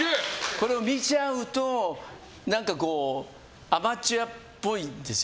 これを見ちゃうとアマチュアっぽいんですよ。